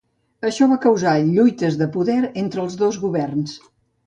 Això va causar lluites de poder entre els dos governs.